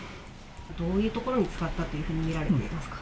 どういうところに使ったというふうに見られていますか？